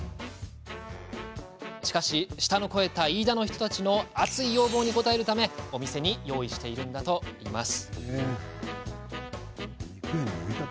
しかし舌の肥えた飯田の人たちの熱い要望に応えるためお店に用意しているといいます。